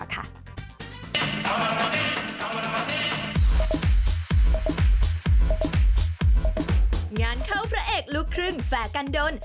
งานเข้าพระเอกลูกครึ่งแฟร์กันดน